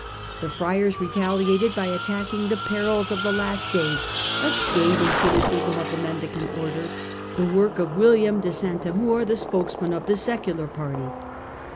The friars retaliated by attacking the The "Perils of the Last Days," a scathing criticism of the the Last Mendicant Orders, the work of William de St Amour, *^^ the spokesman of the secular party.